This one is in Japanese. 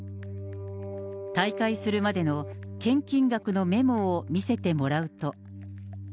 退会するまでの献金額のメモを見せてもらうと。